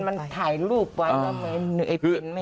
มันถ่ายรูปไว้ไอ้พินไม่มา